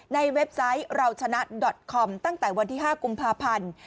เว็บไซต์เราชนะดอตคอมตั้งแต่วันที่๕กุมภาพันธ์